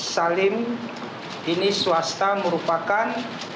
salim ini swasta merupakan